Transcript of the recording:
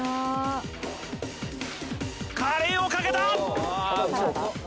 カレーをかけた！